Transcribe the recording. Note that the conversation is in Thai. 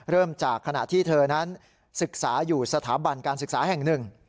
เริ่มจากขณะที่เธอนั้นศึกษาอยู่สถาบันการศึกษาแห่งหนึ่ง